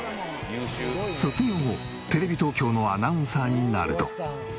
卒業後テレビ東京のアナウンサーになると。